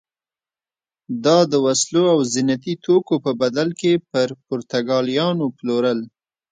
دا د وسلو او زینتي توکو په بدل کې پر پرتګالیانو پلورل.